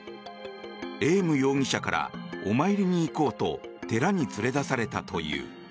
エーム容疑者からお参りに行こうと寺に連れ出されたという。